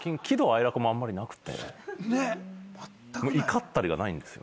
怒ったりがないんですよ。